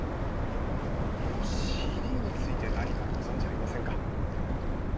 このＣＤについて何かご存じありませんか？